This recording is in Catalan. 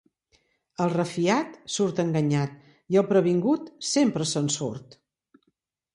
El refiat surt enganyat i el previngut sempre se'n surt.